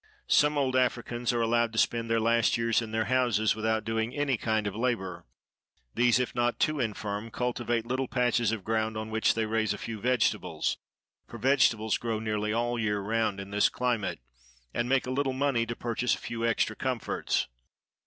Some old Africans are allowed to spend their last years in their houses, without doing any kind of labor; these, if not too infirm, cultivate little patches of ground, on which they raise a few vegetables,—for vegetables grow nearly all the year round in this climate,—and make a little money to purchase a few extra comforts.